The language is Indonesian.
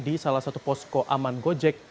di salah satu posko aman gojek